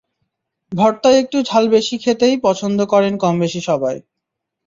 ভর্তায় একটু ঝাল বেশি খেতেই পছন্দ করেন কমবেশি সবাই।